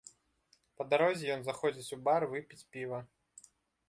Па дарозе ён заходзіць у бар выпіць піва.